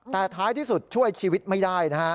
แต่ท้ายที่สุดช่วยชีวิตไม่ได้นะฮะ